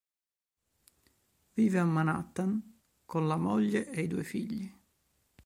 Vive a Manhattan con la moglie e i due figli.